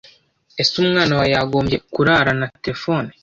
Ese umwana wawe yagombye kurarana terefone?